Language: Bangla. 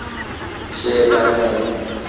সে এখানে নেই!